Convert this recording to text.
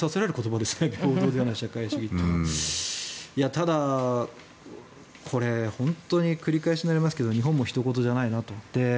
ただ、これ、本当に繰り返しになりますが日本もひと事じゃないなと思って。